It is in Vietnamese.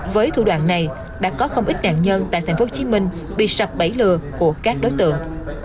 với thủ đoạn này đã có không ít nạn nhân tại tp hcm bị sập bẫy lừa của các đối tượng